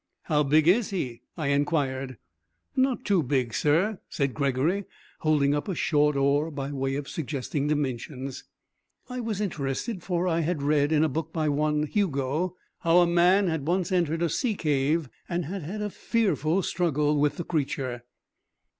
'How big is he?' I inquired. 'Not too big, sir,' said Gregory, holding up a short oar by way of suggesting dimensions. I was interested, for I had read, in a book by one Hugo, how a man had once entered a sea cave, and had had a fearful struggle with the creature.